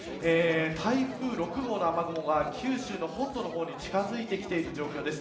台風６号の雨雲が九州の本土の方に近づいてきている状況です。